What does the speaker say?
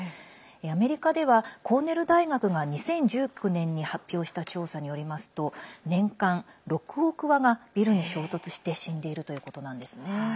アメリカではコーネル大学が２０１９年に発表した調査によりますと年間６億羽がビルに衝突して死んでいるということなんですね。